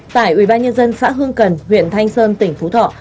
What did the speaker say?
tại ubnd xã hương cần huyện thanh sơn tỉnh phú thọ